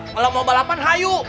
kalau mau balapan hayu